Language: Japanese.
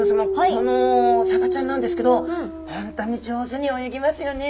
このサバちゃんなんですけど本当に上手に泳ぎますよね